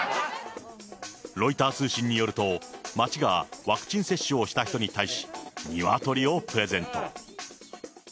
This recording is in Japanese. ロイター通信によると、街がワクチン接種をした人に対し、ニワトリをプレゼント。